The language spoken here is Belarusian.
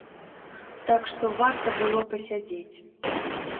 Так што, варта было пасядзець.